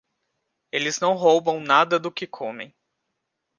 Eles não roubam nada do que comem.